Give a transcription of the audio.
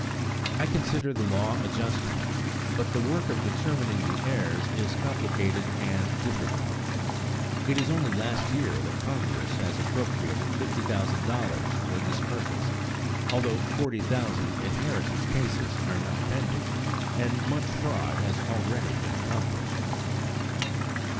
I consider the law a just one, but the work of determining the heirs is complicated and difficult. It is only last year that Congress has appropriated $50,000 for this purpose, although forty thousand inheritance cases are now pending, and much fraud has already been accomplished.